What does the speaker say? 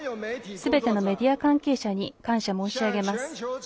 すべてのメディア関係者に感謝申し上げます。